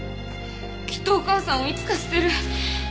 きっとお母さんをいつか捨てる。